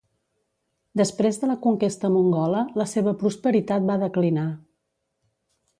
Després de la conquesta mongola la seva prosperitat va declinar.